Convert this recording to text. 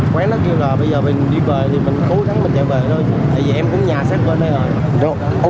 quán nó kêu là bây giờ mình đi về thì mình cố gắng mình chạy về thôi tại vì em cũng nhà xét bên đây rồi